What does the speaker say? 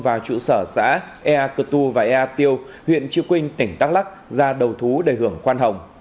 vào trụ sở xã ea cơ tu và ea tiêu huyện chư quynh tỉnh đắk lắc ra đầu thú để hưởng khoan hồng